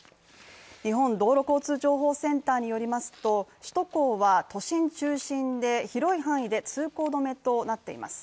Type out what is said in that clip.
日本道路交通情報センターによりますと首都高は都心中心に広い範囲で通行止めとなっています。